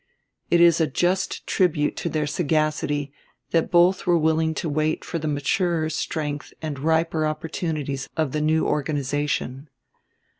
It is a just tribute to their sagacity that both were willing to wait for the maturer strength and riper opportunities of the new organization.